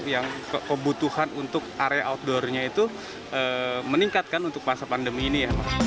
yang kebutuhan untuk area outdoornya itu meningkat kan untuk masa pandemi ini